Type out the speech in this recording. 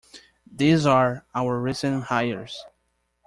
These are our recent hires.